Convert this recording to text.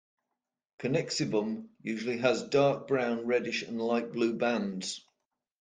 Connexivum usually has dark brown, reddish and light blue bands.